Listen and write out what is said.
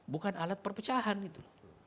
bukan alat perpecahan gitu